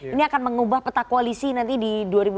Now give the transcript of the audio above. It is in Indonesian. ini akan mengubah peta koalisi nanti di dua ribu dua puluh